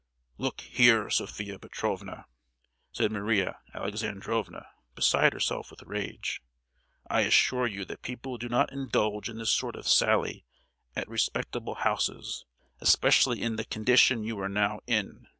"Look here, Sophia Petrovna," said Maria Alexandrovna, beside herself with rage; "I assure you that people do not indulge in this sort of sally at respectable houses; especially in the condition you are now in!